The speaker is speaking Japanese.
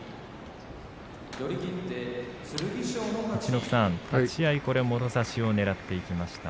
陸奥さん、立ち合いもろ差しをねらっていきました。